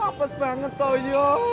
hapus banget toh ya